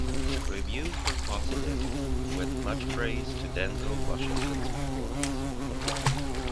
Reviews were positive, with much praise to Denzel Washington's performance.